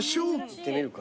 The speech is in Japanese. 行ってみるか。